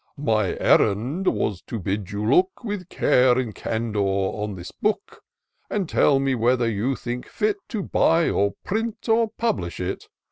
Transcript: " My errand was to bid you look With care and candour on this Book; And tell me whether you think fit To buy, or print, or publish it